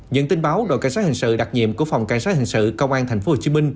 nhận tin báo đội cảnh sát hình sự đặc nhiệm của phòng cảnh sát hình sự công an tp hcm